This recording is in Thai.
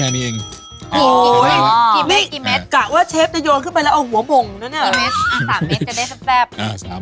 อย่างงี้นะเชฟดูทันไหมคะ